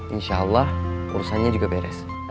insyaallah urusannya juga beres